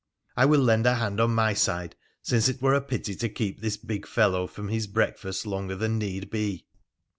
I will lend a hand on my side, since it were a pity to keep this big fellow from his breakfast longer than need be.